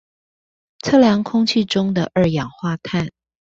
測量空氣中的二氧化碳